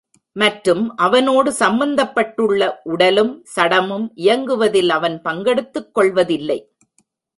மற்றும் அவனோடு சம்பந்தப்பட்டுள்ள உடலும் சடமும் இயங்குவதில் அவன் பங்கெடுத்துக் கொள்வதில்லை.